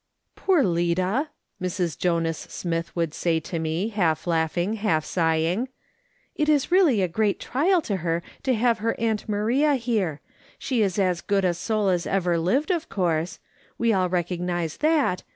" Poor Lida," Mrs. Jonas Smith would say to me, half laughing, half sighing, " it is really a great trial to her to have her aunt Maria here ; she is as good a soul as ever lived, of course — we all recognise that 'POOR LI DA AiVD THE REST."